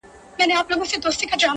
• د نامردو له روز ګاره سره کار وي ,